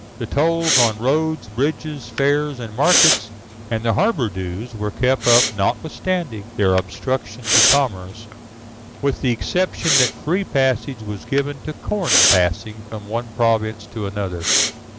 The tolls on roads, bridges (Fig. 271), fairs, and markets, and the harbour dues were kept up, notwithstanding their obstruction to commerce, with the exception that free passage was given to corn passing from one province to another.